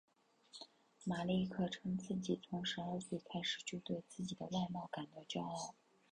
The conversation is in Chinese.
马利克称自己从十二岁开始就对自己的外貌感到骄傲。